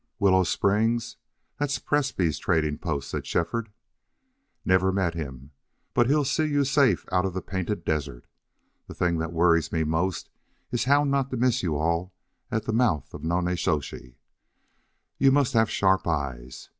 "Willow Springs? That's Presbrey's trading post," said Shefford. "Never met him. But he'll see you safe out of the Painted Desert. ... The thing that worries me most is how not to miss you all at the mouth of Nonnezoshe. You must have sharp eyes.